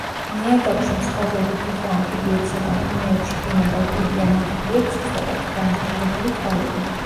ნიადაგში მცხოვრებ უფეხო ამფიბიებსა და მღვიმეებში ბინადარ კუდიან ამფიბიებს სუსტად აქვთ განვითარებული თვალები.